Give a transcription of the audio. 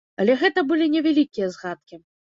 Але гэта былі невялікія згадкі.